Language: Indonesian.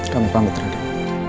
kami pamit raden